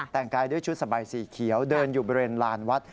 แต่งกายด้วยชุดสบายสีเขียวเดินอยู่บริเวณลานวัด